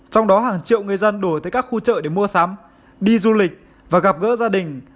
trong đó hàng triệu người dân đổ tới các khu chợ để mua sắm đi du lịch và gặp gỡ gia đình